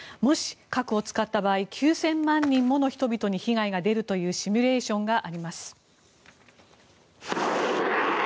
もし、核を使った場合９０００万人の人々に被害が出るというシミュレーションがあります。